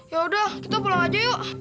yaudah kita pulang aja yuk